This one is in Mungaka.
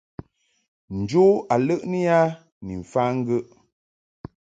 Njo a ləʼni a ni mfa ŋgəʼ.